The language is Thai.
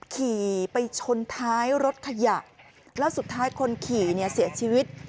ขี่ไปชนท้ายรถขยะแล้วสุดท้ายคนขี่เนี่ยเสียชีวิต